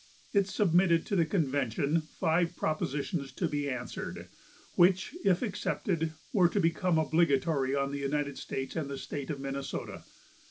It submitted to the convention five propositions to be answered, which, if accepted, were to become obligatory on the United States and the State of Minnesota.